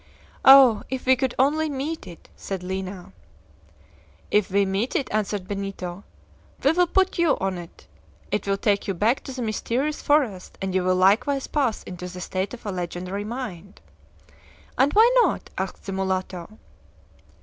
"Oh, if we could only meet it!" said Lina. "If we meet it," answered Benito, "we will put you on it! It will take you back to the mysterious forest, and you will likewise pass into the state of a legendary mind!" "And why not?" asked the mulatto.